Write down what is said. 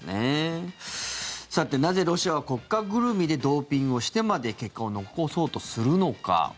なぜロシアは国家ぐるみでドーピングをしてまで結果を残そうとするのか。